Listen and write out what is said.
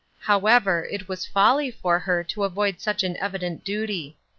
However, it was folly for her to avoid such an evident duty.